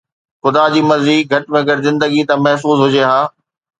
خدا جي مرضي، گهٽ ۾ گهٽ زندگي ته محفوظ هجي ها.